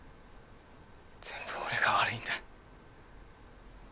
全部俺が悪いんだ。